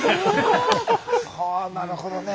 はあなるほどね。